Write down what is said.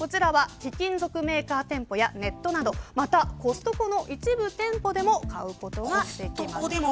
貴金属メーカー店舗やネットなどまたコストコの１部店舗でも買うことができます。